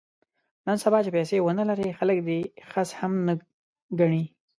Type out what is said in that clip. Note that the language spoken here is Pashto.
نن سبا چې پیسې ونه لرې خلک دې خس هم نه ګڼي.